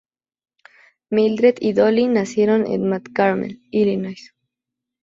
Mildred y Dolly nacieron en Mt. Carmel, Illinois.